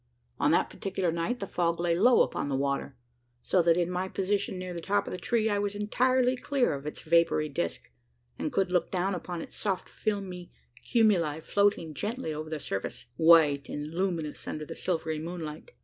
On that particular night, the fog lay low upon the water: so that in my position near the top of the tree I was entirely clear of its vapoury disc; and could look down upon its soft filmy cumuli floating gently over the surface white and luminous under the silvery moonlight.